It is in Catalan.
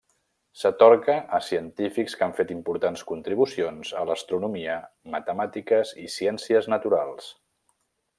S'atorga a científics que han fet importants contribucions a l'astronomia, matemàtiques i ciències naturals.